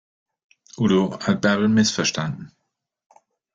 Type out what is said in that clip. Udo hat Bärbel missverstanden.